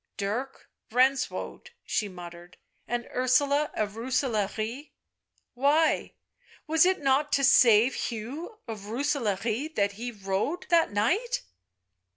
" Dirk Renswoude," she muttered, " and Ursula of Rooselaare — why — was it not to save Hugh of Roose laare that he rode — that night?"